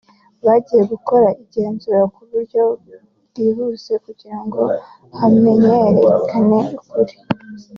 ngo bagiye gukora igenzura kuburyo bwihuse kugira ngo hamenyekane ukuri